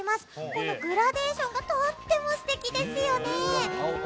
このグラデーションがとても素敵ですよね。